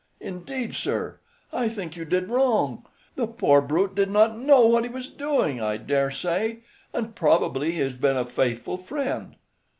Indeed, sir. I think you did wrong. The poor brute did not know what he was doing, I dare say, and probably he has been a faithful friend."